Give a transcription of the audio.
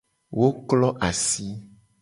Wo klo asi.